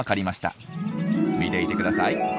見ていてください。